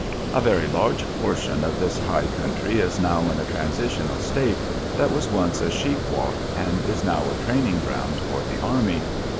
A very large portion of this high country is now in a transitional state, that was once a sheep walk and is now a training ground for the army.